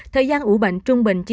thời gian ủ bệnh trung bệnh là sáu ngày